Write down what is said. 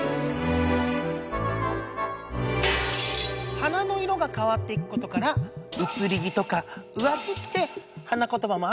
花の色が変わっていくことから「うつり気」とか「浮気」って花言葉もあるしん！